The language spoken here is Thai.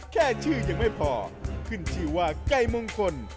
แค่ชื่อยังไม่พอขึ้นชื่อว่าไก่มงคล